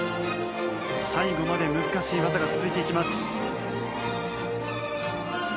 最後まで難しい技が続いていきます。